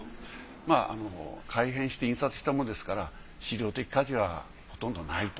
まあ改変して印刷したものですから史料的価値はほとんどないと。